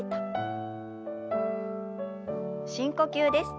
深呼吸です。